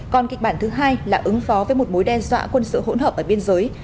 còn kịch bản thứ hai là ứng phó với một mối đe dọa quân sự hỗn hợp ở biên giới